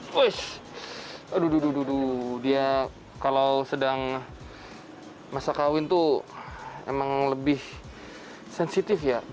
wish aduh dia kalau sedang masa kawin tuh emang lebih sensitif ya